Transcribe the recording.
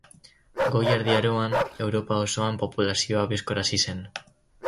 Goi Erdi Aroan, Europa osoan populazioa bizkor hazi zen.